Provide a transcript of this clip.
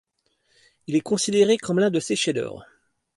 Il est considéré comme l'un de ses chefs-d'œuvre.